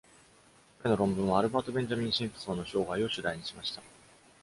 彼の論文は、アルバート・ベンジャミン・シンプソンの生涯を主題にしました。